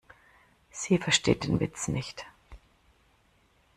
Sie versteht den Witz nicht.